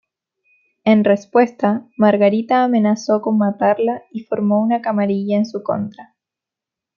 En respuesta, Margarita amenazó con matarla y formó una camarilla en su contra.